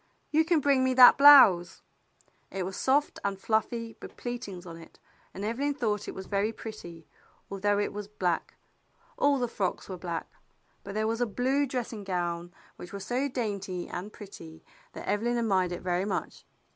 You can bring me that blouse." It was soft and fluffy with pleatings on it, and Evelyn thought it was very pretty, although it was black. All the frocks were black, but there was a blue dressing gown which was so dainty and pretty that THE BLUE AUNT COMES 17 Evelyn admired it very much.